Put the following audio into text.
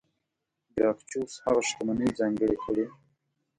ګراکچوس هغه شتمنۍ ځانګړې کړې.